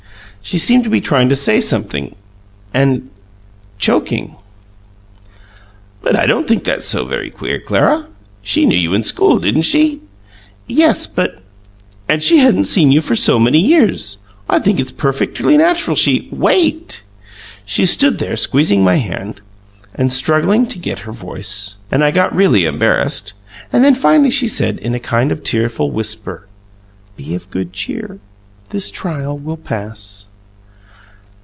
She seemed to be trying to say something, and choking " "But I don't think that's so very queer, Clara. She knew you in school, didn't she?" "Yes, but " "And she hadn't seen you for so many years, I think it's perfectly natural she " "Wait! She stood there squeezing my hand, and struggling to get her voice and I got really embarrassed and then finally she said, in a kind of tearful whisper, 'Be of good cheer this trial will pass!'"